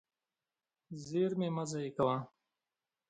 زېرمې مه ضایع کوه.